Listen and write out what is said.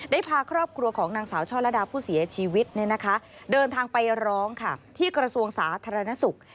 พาครอบครัวของนางสาวช่อระดาผู้เสียชีวิตเดินทางไปร้องค่ะที่กระทรวงสาธารณสุข